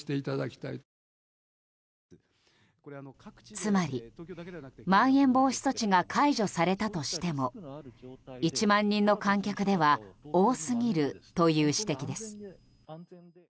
つまり、まん延防止措置が解除されたとしても１万人の観客では多すぎるという指摘です。